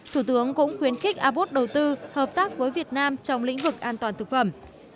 thủ tướng cũng khuyến khích avos đầu tư hợp tác với việt nam trong lĩnh vực an toàn thực phẩm